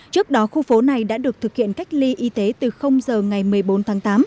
trước đó khu phố này đã được thực hiện cách ly y tế từ giờ ngày một mươi bốn tháng tám